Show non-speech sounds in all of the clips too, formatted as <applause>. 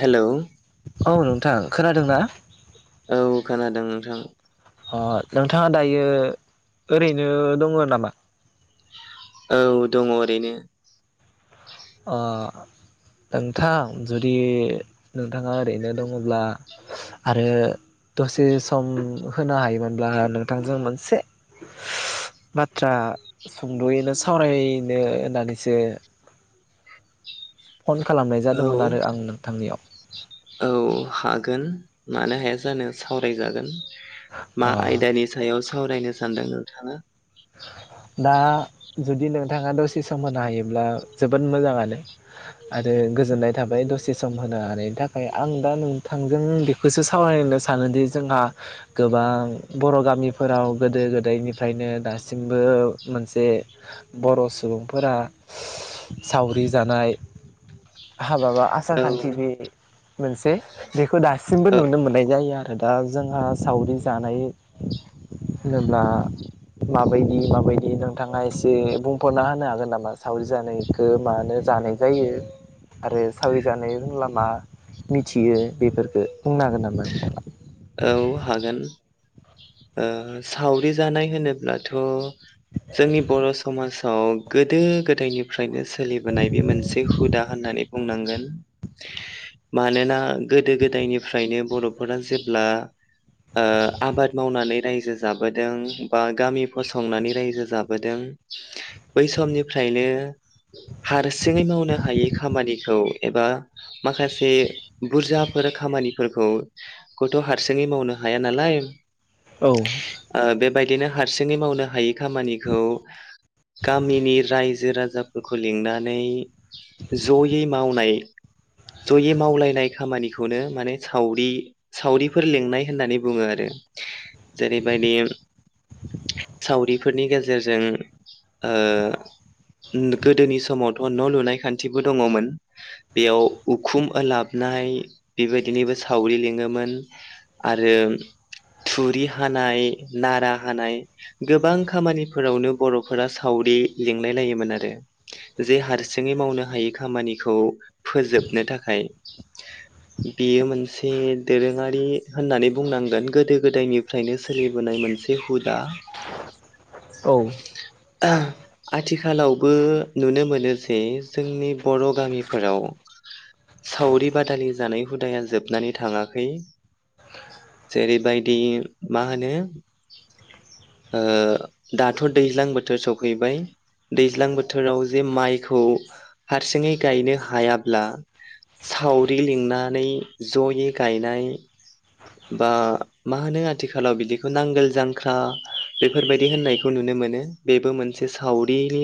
Hello औ नोंथां खोनादोंना औ खोनादों नोंथां अ नोंथाङा दायो ओरैनो दङ नामा औ दङ ओरैनो अ नोंथां जुदि नोंथाङा ओरैनो दङब्ला आरो दसे सम होनो हायोमोनब्ला नोंथांजों मोनसे बाथ्रा सुंदयैनो सावरायनो होननानैसो फन खालामनाय औ जादोंमोन आरो आं नोंथांनियाव औ हागोन मानो हाया जानो सावरायजागोन मा अ आयदानि सायाव सा सावरायनो सानदों नोंथाङा दा जुदि नोंथाङा दसे सम होनो हायोब्ला जोबोद मोजाङानो आरो गोजोननाय थाबाय दसे सम होनो हानायनि थाखाय आं दा नोंथांजों बेखौसो सावरायनो सानोदि जोंहा गोबां बर गामिफोराव गोदो गोदायनिफ्रायनो दासि दासिमबो मोनसे बर सुबुंफोरा सावरि जानाय हाबा बा आसार औ खान्थि बे मोनसे बेखौ दासिमबो ओ नुनो मोननाय जायो आरो दा जोंहा सावरि जानाय होनोब्ला माबायदि माबायदि नोंथाङा एसे बुंफोरना होनो हागोन नामा सावरि जानायखौ मानो जानाय जायो आरो सावरि जानाय होनब्ला मा मिथियो बेफोरखो औ हागोन ओ सावरि जानाय होनोब्लाथ जोंनि बर समाज‌ गोदो गोदायनिफ्रायनो सो सोलिबोनाय बे मोनसे हुदा होननानै बुंनांगोन मानोना गोदो गोदायनिफ्रायनो बरफोरा जेब्ला ओ आबाद मावनानै रायजो जाबोदों बा गामि फसंनानै रायजो जाबोदों बै समनिफ्रायनो हारसिङै मावनो हायै खामानिखौ एबा माखासे बुरजाफोर खामानिफोरखौ खौथ‌ हारसिङै मावनो हाया नालाय औ बायदिनो हारसिङै मावनो हायै खामानिखौ गामिनि रायज रायजो राजाफोरखौ लिंनानै जयै मावनाय जयै मावलायनाय खामानिखौनो माने सावरि सावरिफोर लिंनाय होननानै बुङो आरो जेरैबायदि सावरिफोरनि गेजेरजों ओ गोदोनि समावथ न लुनाय खान्थिबो दङमोन बेयाव उखुमलाबनाय बेबायदिनोबो सावरि लि मोन आरो थुरि हानाय नारा हानाय गोबां खामानिफोरावनो बर'फोरा सावरि लिंलाय लायोमोन आरो जे हारसिङै मावनो हायै खामानिखौ फोजोबनो थाखाय बेयो मोनसे दोरोङारि होननानै बुंनांगोन गोदो गोदायनिफ्रायनो सोलिबोनाय मोनसे हुदा औ आथिखालावबो नुनो मोनो जे जोंनि बर गामिफोराव सावरि बादालि जानाय हुदाया जोबनानै थाङाखै जेरैबायदि मा होनो ओ दाथ दैज्लां बोथोर सफैबाय दैज्लां बोथोराव जे माइखौ हारसिङै गायनो हायाब्ला सावरि लिंनानै जयै गायनाय बा मा होनो आथिखालाव बिदिखौ नांगोल जांख्रा बेफोरबायदि होननायखौ नुनो मोनो बेबो मोनसे सावरिनि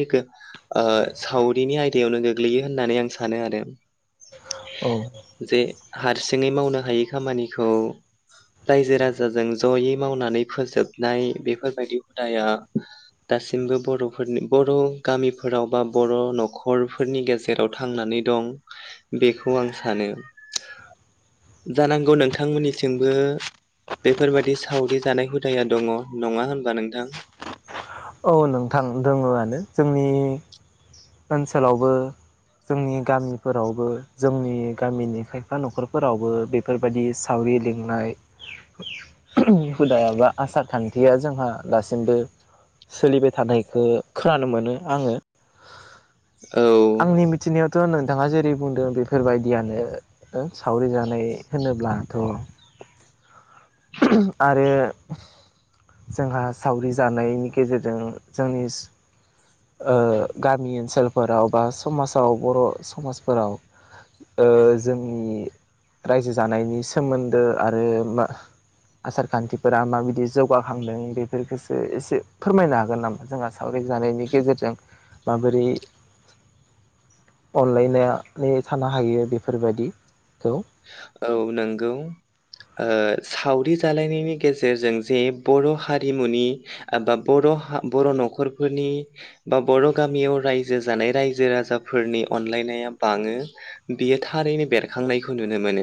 ओ सावरिनि आयदायावनो गोग्लैयो होननानै आं सानो आरो औ जे हारसिङै मावनो हायै खामानिखौ रायजो राजाजों जयै मावनानै फोजोबनाय बेफोरबायदि हुदाया दासिमबो बरफोरनि बर गामिफोराव बा बर नखरफोरनि गेजेराव थांनानै दं बेखौ आं सानो जानांगौ नोंथांमोननि थिंबो बेफोरबायदि सावरि जानाय हुदाया दङ नङा होनबा नोंथां औ नोंथां दङआनो जोंनि ओनसोलावबो जोंनि गामिफोरावबो जोंनि गामिनि खायफा न'खरफोरावबो बेफोरबायदि सावरि लिंनाय हुदा बा आसार खान्थिया जोंहा दासिमबो सोलिबाय थानायखौ खोनानो मोनो आङो। औ थ' नोंथाङा जेरै बुंदों बेफोरबायदियानो सावरि जानाय होनोब्लाथ'। आरो जोंहा सावरि जानायनि गेजेरजों जोंनि ओ गामि ओनसोलफोराव बा समाजाव बर' समाजफोराव जोंनि रायजो जानायनि सोमोन्दो आरो आसार खान्थिफोरा माबायदि जौगाखांदों बेफोरखौसो एसे फोरमायनो हागोन नामा जोंहा सावरि जानाय। गेजेरजों माबोरै अनलायनानै थानो हायो बेफोरबायदिखौ औ नंगौ सावरि जालायनायनि गेजेरजों जे बर' हारिमुनि एबा बर'-बर' न'खरफोरनि बा बर' गामियाव रायजो जानाय रायजो राजाफोरनि अनलायनाया बाङो बियो थारैनो बेरखांनाय। नुनो मोनो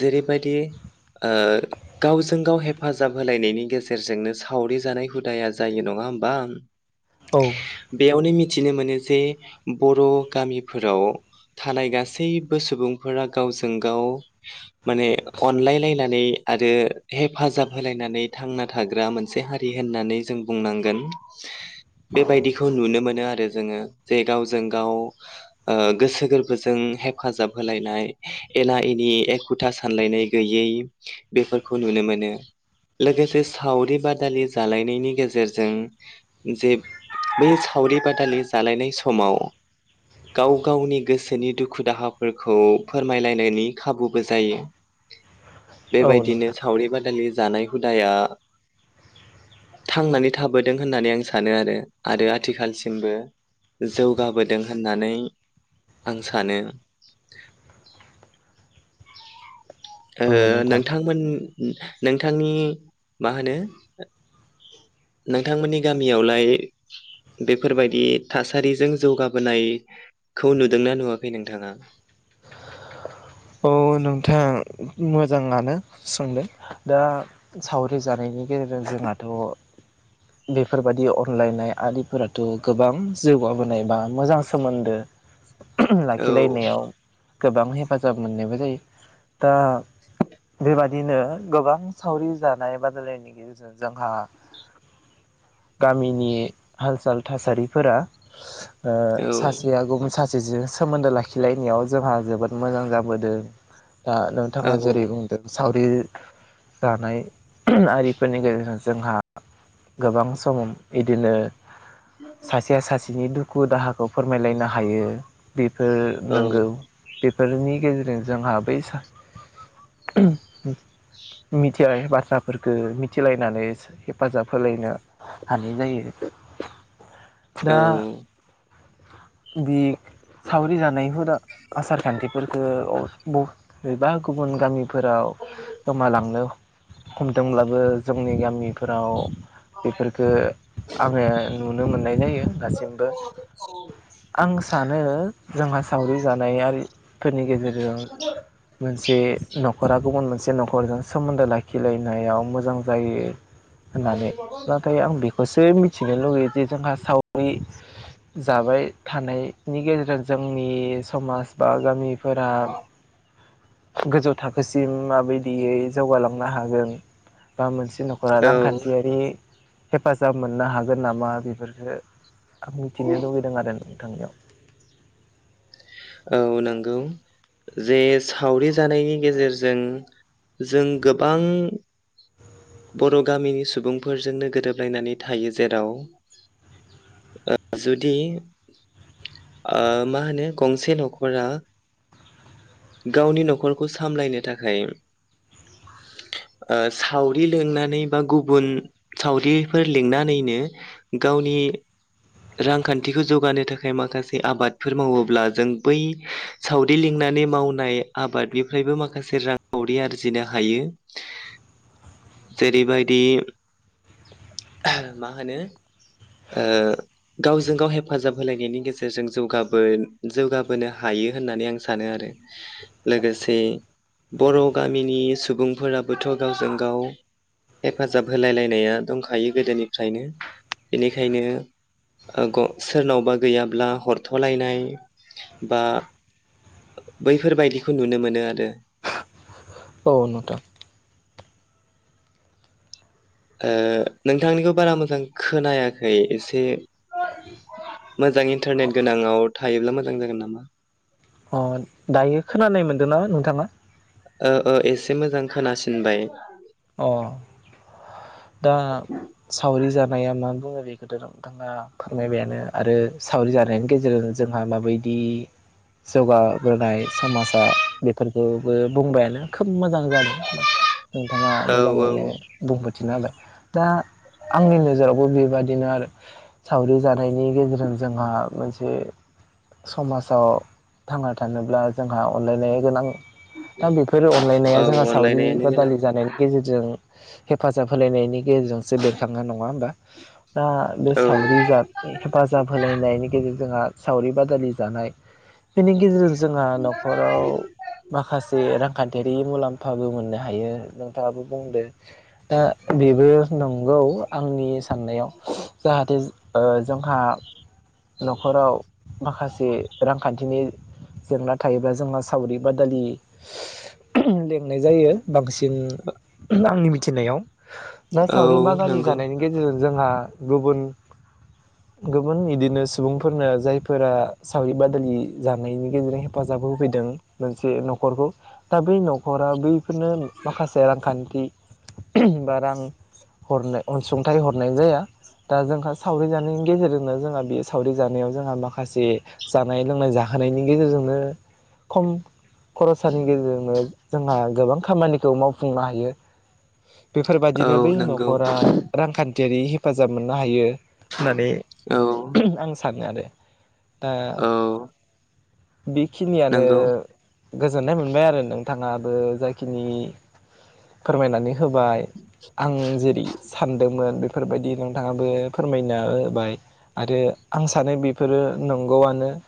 जेरैबायदि गावजों गाव हेफाजाब होलायनायनि गेजेरजोंनो सावरि जानाय हुदाया जायो नङा होमबा। औ बेयावनो मिथिनो मोनो जे बर' गामिफोराव थानाय गासैबो सुबुं फोरा गावजों गाव माने अनलायलायनानै आरो हेफाजाब होलायनानै थांना थाग्रा मोनसे हारि होननानै जों बुंनांगोन बेबायदिखौ नुनो मोनो आरो जोङो जे गावजों गाव गोसो गोरबोजों हेफाजाब। होलायनाय एना एनि एखुथा सानलायनाय गैयै बेफोरखौ नुनो मोनो लोगोसे सावरि बादालि जालायनायनि गेजेरजों जे बै सावरि बादालि जालायनाय समाव गाव गावनि गोसोनि दुखु दाहा फोरखौ फोरमायलायनायनि खाबुबो जायो। औ बेबायदिनो नोंथां सावरि बादालि जानाय हुदाया थांनानै थाबोदों होननानै आं सानो आरो आरो आथिखालसिमबो जौगाबोदों होननानै आं सानो। <inaudible> औ नोंथां नोंथांमोन नोंथांनि मा होनो नोंथांमोननि गामियावलाय बेफोरबायदि थासारिजों जौगाबोनायखौ नुदोंना नुवाखै नोंथाङा? औ नोंथाङा मोजाङानो सोंदों दा सावरि जानायनि गेजेरजों जोंहाथ' बेफोरबाददि अनलायनाय आरिफोराथ' गोबां जौगाबोनाय बा मोजां सोमोन्दो औ लाखिलायनायाव गोबां हेफाजाब मोननायबो जायो। दा बेबादिनो गोबां सावरि जानाय बादायलायनायनि गेजेरजों जोंहा गामिनि हाल साल थासारिफोरा औ सासेया गुबुन सासे जेजों सोमोन्दो लाखिलायनायाव जोंहा जोबोद मोजां जाबोदों दा औ नोंथाङा जेरै बुंदों सावरि जानाय आरिफोरनि गेजेरजों जोंहा गोबां सम बिदिनो सासेया सासे बिनि दुखु दाहाखौ फोरमायलायनो हायो बेफोर औ नोंगौ। फोरनि गेजेरजों जोंहा बै सा मिथियै बाथ्राफोरखो मिथिलायनानै हेफाजाब होलायनो हानाय जायो दा औ बि सावरि जानायफोरा हुदा आसार खान्थिफोरखो बबेबा गुबुन गामि फोराव गोमा लांनो हमदोंब्लाबो जोंनि गामिफोराव बेफोरफोरखो आङो नुनो मोननाय जायो दासिमबो आं सानो जोंहा सावरि जानायारि फोरनि गेजेरजों मोनसे नख'रा गुबुन मोनसे जे न'खरजों सोमोन्दो लाखिलायनायाव मोजां जायो। होननानै नाथाय आं बेखौसो मिथिनो लुगैयो जे जोंहा सावरि जाबाय थानायनि गेजेरजों जोंनि समाज बा गामि फोरा गोजौ थाखोसिम माबायदियै जौगालांनो हागोन बा मोनसे नखरा औ रांखान्थियारि हेफाजाब मोननो हागोन नामा बेफोरखो मिथिनो लुबैदों आरो। नोंथांनियाव औ नंगौ जे सावरि जानायनि गेजेरजों जों गोबां बर' गामिनि सुबुंफोरजोंनो गोरोबलायनानै थायो जेराव ओ जुदि ओ मा होनो गंसे नखरा गावनि नखरखौ सामलायनो थाखाय ओ सावरि रि लिंनानै बा गुबुन सावरिफोर लिंनानैनो गावनि रांखान्थिखौ जौगानो थाखाय माखासे आबादफोर मावोब्ला जों बै सावरि लिंनानै मावनाय आबादनिफ्रायबो माखासे रांखावरि आरजिनो हायो। जेरैबायदि मा होनो ओ गावजों गाव हेफाजाब होलायनायनि गेजेरजों जौगाबोन जौगाबोनो हायो होननानै आं सानो आरो लोगोसे बर' गामिनि सुबुंफोराबोथ गावजों गाव हेफाजाब होलायलायनाया दंखायो गोदोनिफ्रायनो बेनिखायनो ओ सोरनावबा गैयाब्ला हरथलायनाय बा बैफोरबायदिखौ नुनो मोनो आरो। औ नोंथां ओ नोंथांनिखौ बारा मोजां खोनायाखै एसे मोजां इन्टारनेट गोनाङाव थायोब्ला मोजां जागोन नामा अ दायो खोनानाय मोनदोंना नोंथाङा ओ ओ एसे मोजां खोनासिनबाय अ दा सावरि जाब नाया मा बुङो बेखौथ नोंथाङा फोरमायबायानो आरो सावरि जानायनि गेजेरजों जोंहा माबायदि जौगाबोनाय समाजा बेफोरखौबो बुंबायानो खोब मोजां जादों। नोंथाङा औ औ मोजाङैनो बुं जाबाय दा आंनि नोजोरावबो बेबादि बिदिनो आरो सावरि जानायनि गेजेरजों जोंहा मोनसे समाजाव थांना थानोब्ला जोंहा अनलायनाय गोनां दा बेफोर अनलायनाया औ जोंहा सावरि अनलायनायानो गोनां बादालि जानायनि गेजेरजों हेफ फाजाब होलायनायनि गेजेरजोंसो बेरखांनाय नङा होमबा दा बे औ सावरि जा हेफाजाब होलायनायनि गेजेरजोंहा सावरि बादालि जानाय बेनि गेजेरजों जोंहा न'खराव माखासे रांखान्थियारि मुलाम्फा खाबु मोननो हायो नोंथाङाबो बुंदो दा बेबो नंगौ आंनि साननायाव जाहाथे ओ जोंहा न'खराव माखासे रांखान्थिनि जेंना थायोब्ला जोंहा सावरि बादालि लेंनाय जायो बांसिन आंनि मिथिनायाव दा औ सावरि बादालि नंगौ जानायनि गेजेरजों जोंहा गुबुन गुबुन इदिनो सुबुंफोरनो जायफोरा सावरि बादालि जानायनि गेजेरजों हेफाजाब होफैदों मोनसे न'खरखौ दा बै नख न'खरा बैफोरनो माखासे रांखान्थि बा रां हरनो अनसुंथाइ हरनाय जाया दा जोंहा सावरि जानायनि गेजेरजोंनो जोंहा बे सावरि जानायाव जोंहा माखासे जानाय लोंनाय जाहोनायनि गेजेरजोंनो खम खरसानि गेजेरजोंनो जोंहा गोबां खामानिखौ मावफुंनो हायो औ बेफोरबायदिनो बै नंगौ न'खरा रांखान्थि जेरै हेफाजाब मोननो हायो होननानै औ आं सानो आरो दा औ बेखिनियानो नंगौ गोजोननाय मोनबाय आरो नोंथाङाबो जायखिनि फोरमायनानै होबाय आं जेरै सानदोंमोन बेफोरबायदि नोंथाङाबो फोरमायना होबाय आरो आं सानो बेफोरो नंगौआनो <inaudible>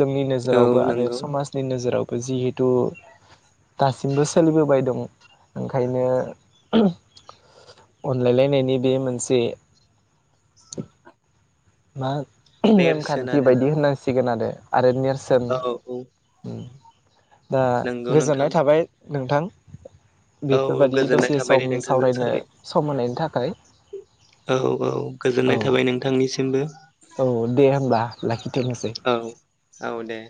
जोंनि औ नोजोरावबो आरो नंगौ समाजनि नोजोरावबो जिहेथु दासिमबो सोलिबोबाय दं ओंखायनो अनलायलायनायनि बे मोनसे <inaudible> मा नेरसोन नेमखान्थि आरोना बायदि होननांसिगोन आरो आरो नेरसोन औ औ ओम दा नंगौ गोजोननाय नोंथां थाबाय नोंथां औ बेफोरबायदि गोजोननाय दसे थाबाय दे सम नोंथांजों सावरायनो सावराय सम होनायनि थाखाय <unintelligible> औ औ औ गोजोननाय थाबाय नोंथांनिसिमबो औ दे होमबा लाखि औ औ दे।